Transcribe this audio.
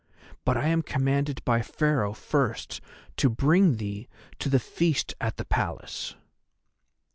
But I am commanded by Pharaoh first to bring thee to the feast at the Palace."